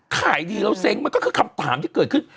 ขายดีแล้วเซ้งมันก็คือคำถามที่เกิดขึ้น